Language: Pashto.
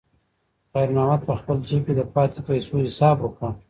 خیر محمد په خپل جېب کې د پاتې پیسو حساب وکړ.